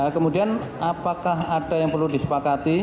kemudian apakah ada yang perlu disepakati